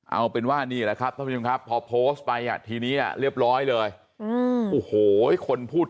เอาเป็นว่านี่แล้วครับพอโพสต์ไปอ่ะทีนี้เรียบร้อยเลยคนพูด